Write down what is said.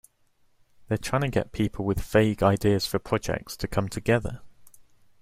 They're trying to get people with vague ideas for projects to come together.